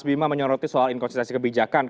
bima menyoroti soal inkonsistensi kebijakan